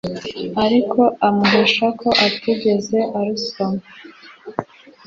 ariko amuhisha ko atigeze arusoma.